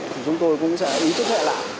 chúng tôi cũng sẽ ý chức hệ lạ